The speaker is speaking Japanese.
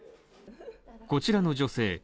こちらの女性